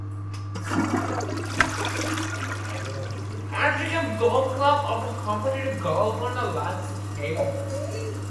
Altrincham Golf Club offers competitive golf on a large scale.